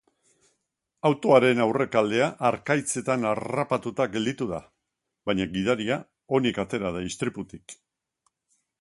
Autoaren aurrekaldea harkaitzetan harrapatuta gelditu da, baina gidaria onik atera da istriputik.